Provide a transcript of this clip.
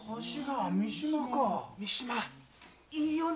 いいよな。